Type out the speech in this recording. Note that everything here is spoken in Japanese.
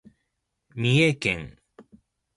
三重県